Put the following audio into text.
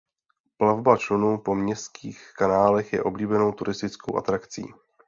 Plavba čluny po městských kanálech je oblíbenou turistickou atrakcí.